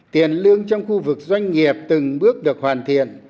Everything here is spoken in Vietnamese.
tiền lương trong khu vực doanh nghiệp từng bước được hoàn thiện